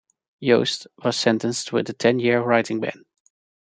Johst was sentenced with a ten-year writing ban.